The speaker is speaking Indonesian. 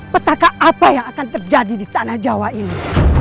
petaka apa yang akan terjadi di tanah jawa ini